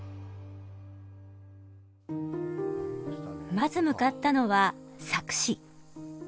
まず向かったのは佐久市。